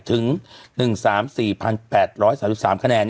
ถึง๑๓๔๘๓๓คะแนน